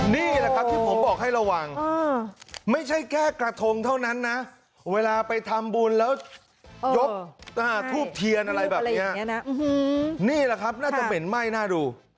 นี่แหละครับที่ผมบอกให้ระวังไม่ใช่แค่กระทงเท่านั้นนะเวลาไปทำบุญแล้วยกทูบเทียนอะไรแบบนี้นะนี่แหละครับน่าจะเหม็นไหม้น่าดู